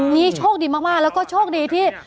นี่โชคดีมากแล้วก็โชคดีที่